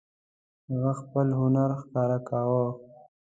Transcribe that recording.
هغه خپل هنر ښکاره کاوه.